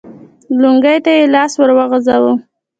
لونګۍ ته يې لاس ور وغځاوه.